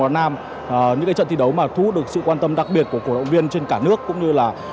vào nam những trận thi đấu mà thu được sự quan tâm đặc biệt của cổ động viên trên cả nước cũng như là